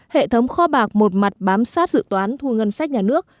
hệ thống kho bạc một mặt bám sát dự toán thu ngân sách nhà nước